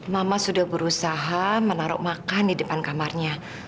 mama sudah berusaha menaruh makan di depan kamarnya